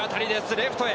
レフトへ。